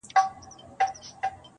خو په جوغ پوري تړلی وو، بوده وو -